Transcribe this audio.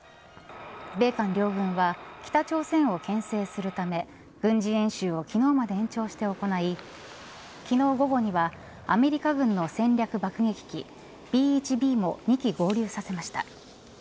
米韓両軍は北朝鮮をけん制するため軍事演習を昨日まで延長して行い昨日、午後にはアメリカ軍の戦略爆撃機Ｂ１Ｂも２機合流させました。